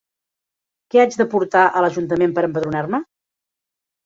Què haig de portar a l'Ajuntament per empadronar-me?